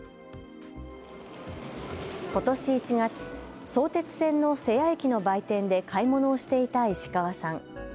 ことし１月、相鉄線の瀬谷駅の売店で買い物をしていた石川さん。